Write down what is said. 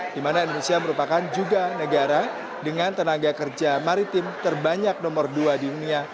di mana indonesia merupakan juga negara dengan tenaga kerja maritim terbanyak nomor dua di dunia